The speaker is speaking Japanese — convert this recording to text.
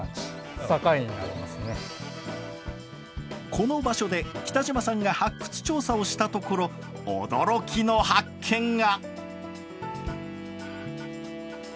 この場所で北島さんが発掘調査をしたところ驚きの発見が。